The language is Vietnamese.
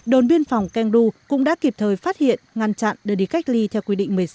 đồn biên phòng keng du cũng đã kịp thời phát hiện ngăn chặn đưa đi cách ly theo quy định một mươi sáu